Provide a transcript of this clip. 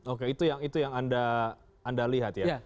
oke itu yang anda lihat ya